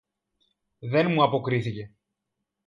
Δε μου αποκρίθηκε